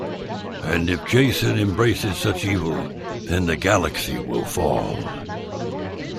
And if Jacen embraces such evil, then the galaxy will fall.